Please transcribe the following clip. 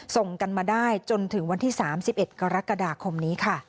ส่งกันมาได้จนถึงวันที่๓๑กรกฎาคมนี้ค่ะ